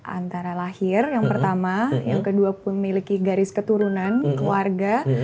antara lahir yang pertama yang kedua memiliki garis keturunan keluarga